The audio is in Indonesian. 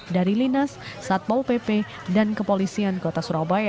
dari linas satpol pp dan kepolisian kota surabaya